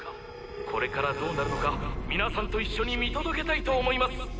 これからどうなるのか皆さんと一緒に見届けたいと思います